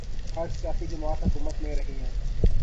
ہر سیاسی جماعت حکومت میں رہی ہے۔